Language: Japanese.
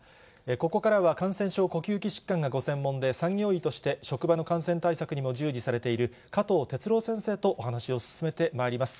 ここからは、感染症、呼吸器疾患がご専門で、産業医として職場の感染対策にも従事されている、加藤哲朗先生とお話を進めてまいります。